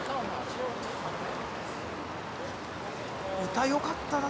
歌よかったな。